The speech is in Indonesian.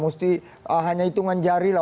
mesti hanya hitungan jari lah